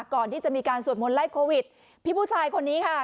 ก่อนที่จะมีการสวดมนต์ไล่โควิดพี่ผู้ชายคนนี้ค่ะ